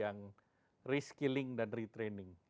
yang reskilling dan retraining